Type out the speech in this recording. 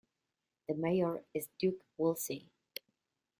The Mayor is Duke Woolsey.